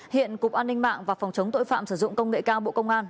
hiện cục an ninh mạng và phòng chống tội phạm sử dụng công nghệ cao bộ công an